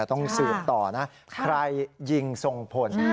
ต้องสืบต่อนะใครยิงทรงพล